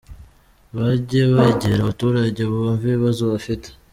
Bajye begera abaturage, bumve ibibazo bafite.